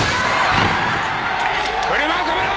車を止めろ！